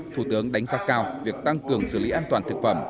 thủ tướng đánh giá cao việc tăng cường xử lý an toàn thực phẩm